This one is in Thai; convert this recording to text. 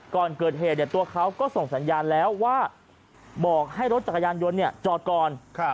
ก่อนเกิดเหตุตัวเขาก็ส่งสัญญาณแล้วว่าบอกให้รถจักรยานยนต์จอดก่อน